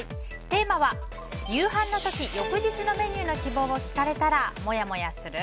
テーマは夕飯の時翌日のメニューの希望を聞かれたらもやもやする？